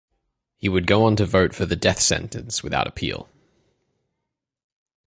He would go on to vote for the death sentence without appeal.